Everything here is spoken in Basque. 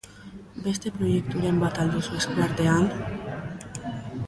Beste proiekturen bat al duzu esku artean?